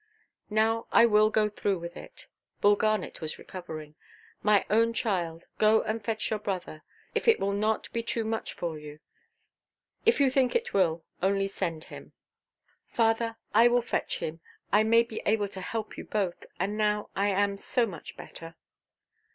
"Now I will go through with it"—Bull Garnet was recovering—"my own child; go and fetch your brother, if it will not be too much for you. If you think it will, only send him." "Father, I will fetch him. I may be able to help you both. And now I am so much better."